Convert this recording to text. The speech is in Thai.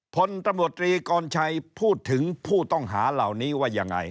พลตำรวจตรีกรชัยพูดถึงผู้ต้องหาเหล่านี้ว่ายังไง